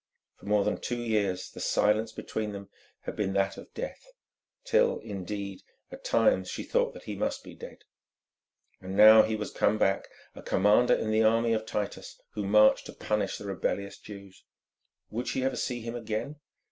For more than two years the silence between them had been that of death, till, indeed, at times she thought that he must be dead. And now he was come back, a commander in the army of Titus, who marched to punish the rebellious Jews. Would she ever see him again?